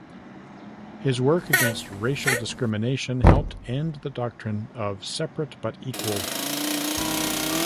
His work against racial discrimination helped end the doctrine of separate but equal.